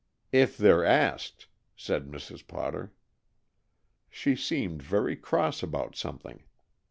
"If they're asked," said Mrs. Potter. She seemed very cross about something.